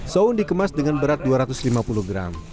sound dikemas dengan berat dua ratus lima puluh gram